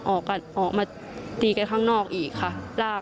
ออกมาตีกันข้างนอกหรือกันค่ะ